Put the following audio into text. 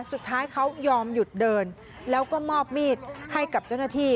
สุดท้ายเขายอมหยุดเดินแล้วก็มอบมีดให้กับเจ้าหน้าที่